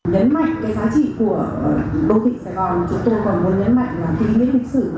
nhấn mạnh cái giá trị của đô thị sài gòn chúng tôi còn muốn nhấn mạnh